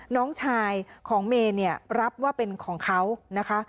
น้องชายของเมย์เนี่ยรับว่าเป็นของเขานะคะ